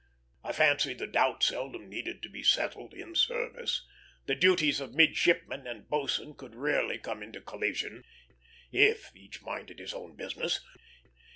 I fancy the doubt seldom needed to be settled in service; the duties of midshipman and boatswain could rarely come into collision, if each minded his own business.